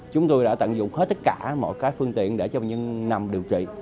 chúng tôi đã tận dụng hết tất cả mọi phương tiện để cho bệnh nhân nằm điều trị